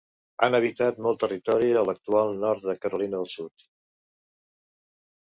Han habitat molt territori a l'actual nord de Carolina del Sud.